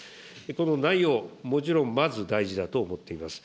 この内容、もちろんまず大事だと思っています。